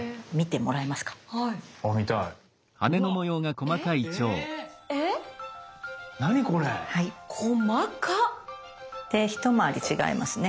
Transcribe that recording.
細か！で一回り違いますね。